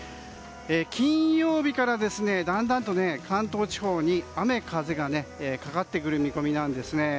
金曜日からだんだんと関東地方に雨風がかかってくる見込みなんですね。